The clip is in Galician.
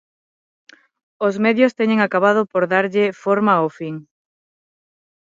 Os medios teñen acabado por darlle forma ao fin.